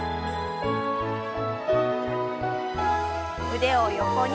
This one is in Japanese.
腕を横に。